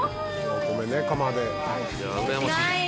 お米ね釜で。